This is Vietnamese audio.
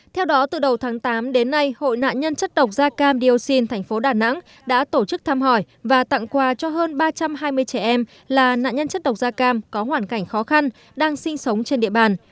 theo đó từ đầu tháng tám đến nay hội nạn nhân chất độc da cam dioxin tp đà nẵng đã tổ chức thăm hỏi và tặng quà cho hơn ba trăm hai mươi trẻ em là nạn nhân chất độc da cam có hoàn cảnh khó khăn đang sinh sống trên địa bàn